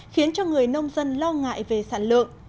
khiến cho người nông dân lo ngại về sản lượng